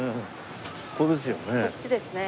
ここですよね。